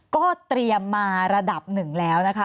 ก็เตรียมมาระดับหนึ่งแล้วนะคะ